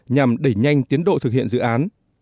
nhằm đẩy nhanh tiến độ thực hiện dự án